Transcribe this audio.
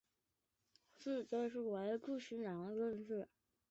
狮子队是唯一驻锡昆士兰的队伍。